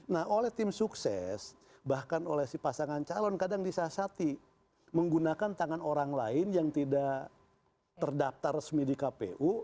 nah oleh tim sukses bahkan oleh si pasangan calon kadang disasati menggunakan tangan orang lain yang tidak terdaftar resmi di kpu